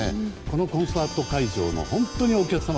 このコンサート会場のお客様